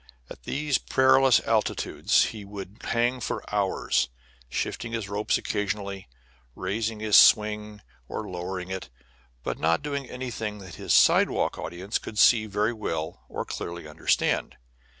At these perilous altitudes he would hang for hours, shifting his ropes occasionally, raising his swing or lowering it, but not doing anything that his sidewalk audience could see very well or clearly understand.